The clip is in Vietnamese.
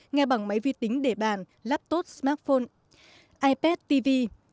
nghe bằng máy vi tính để bàn laptos smartphone ipad tv